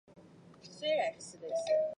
中国大陆则有小霸王游戏机等机种。